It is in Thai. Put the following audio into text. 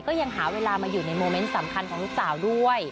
ก็ยังหาเวลามาอยู่ในโมเมนต์สำคัญของลูกสาวด้วย